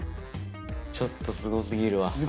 ちょっとすごすぎるわ。